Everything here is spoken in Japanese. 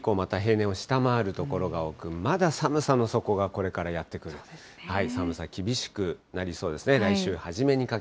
木曜日以降、平年を下回る所が多く、まだ寒さの底が、これからやってくる、寒さ厳しくなりそうですね。